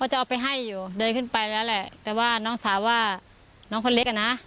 จะเอาไปให้อยู่เดินขึ้นไปแล้วแหละแต่ว่าน้องสาวว่าน้องคนเล็กอ่ะนะ